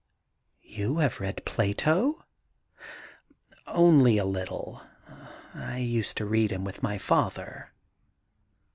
' You have read Plato ?'' Only a little. I used to read him with my father.'